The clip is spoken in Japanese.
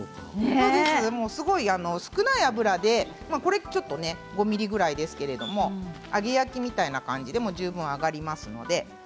少ない油で５ｍｍぐらいですけど揚げ焼きみたいな感じでも十分、揚がります。